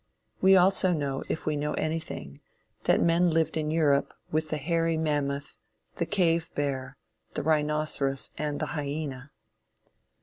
We also know, if we know anything, that men lived in Europe with the hairy mammoth, the cave bear, the rhinoceros, and the hyena.